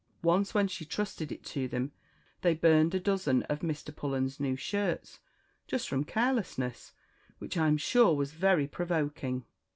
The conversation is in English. Once when she trusted it to them, they burned a dozen of Mr. Pullens's new shirts, just from carelessness, which I'm sure was very provoking.